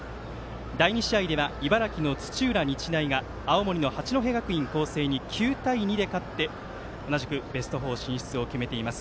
第２試合では、茨城土浦日大が青森の八戸学院光星に９対２で勝って同じくベスト４進出を決めています。